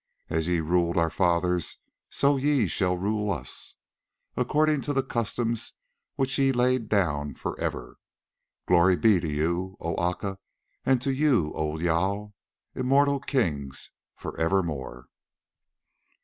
As ye ruled our fathers so ye shall rule us, according to the customs which ye laid down for ever. Glory be to you, O Aca, and to you, O Jâl! immortal kings for evermore!"